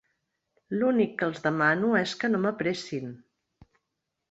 L'únic que els demano és que no m'apressin.